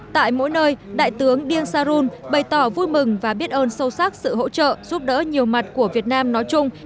tại mỗi nơi đại tướng điêng sa run bày tỏ vui mừng và biết ơn sâu sắc sự hỗ trợ giúp đỡ nhiều mặt của việt nam nói chung